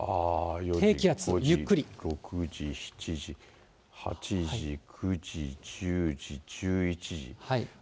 ６時、７時、８時、９時、１０時、１１時。